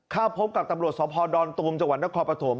เข้าพบกับตำรวจสพดอนตูมจังหวัดนครปฐม